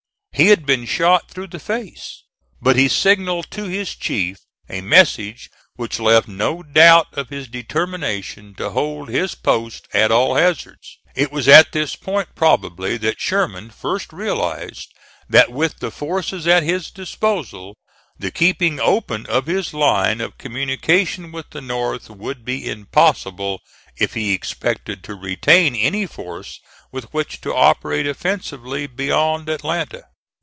He had been shot through the face, but he signalled to his chief a message which left no doubt of his determination to hold his post at all hazards. It was at this point probably, that Sherman first realized that with the forces at his disposal, the keeping open of his line of communication with the North would be impossible if he expected to retain any force with which to operate offensively beyond Atlanta.